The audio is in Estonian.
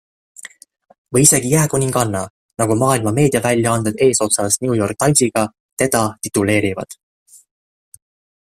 Või isegi jääkuninganna, nagu maailma meediaväljaanded eesotsas New York Timesiga teda tituleerivad.